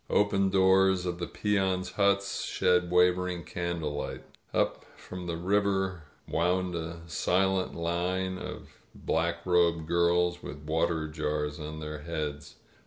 Open doors of the peons' huts shed wavering candlelight. Up from the river wound a silent line of black robed girls with water jars on their heads.